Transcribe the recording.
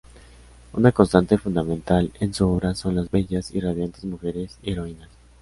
Una constante fundamental en su obra son las bellas y radiantes mujeres y heroínas.